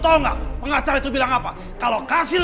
enggak usah ngurusin mereka lagi